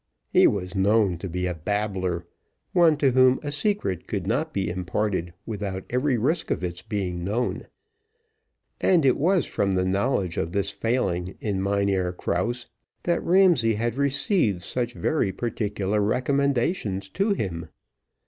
He was known to be a babbler, one to whom a secret could not be imparted, without every risk of its being known; and it was from the knowledge of this failing in Mynheer Krause that Ramsay had received such very particular recommendations to him.